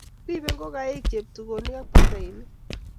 Ripei ngokaik, cheptugonik ak batainik